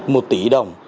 một tỷ đồng